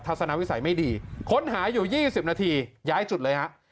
สนวิสัยไม่ดีค้นหาอยู่๒๐นาทีย้ายจุดเลยฮะ